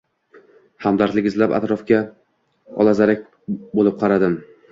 Hamdardlik izlab, atrofga olazarak bo’lib qaradim.